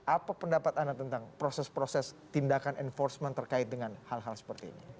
apa pendapat anda tentang proses proses tindakan enforcement terkait dengan hal hal seperti ini